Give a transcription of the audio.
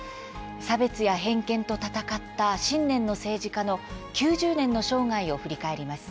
差別や偏見と闘った信念の政治家の９０年の生涯を振り返ります。